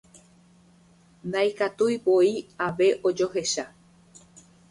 Ndaikatuivoi ave ojoecha.